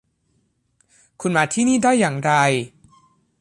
คุณมาที่นี่ได้อย่างไร